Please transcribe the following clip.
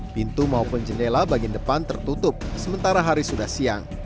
pintu maupun jendela bagian depan tertutup sementara hari sudah siang